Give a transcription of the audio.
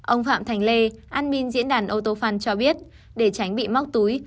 ông phạm thành lê admin diễn đàn autofun cho biết để tránh bị móc túi